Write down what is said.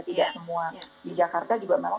tidak semua di jakarta juga marah